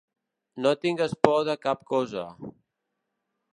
No tingues por de cap cosa.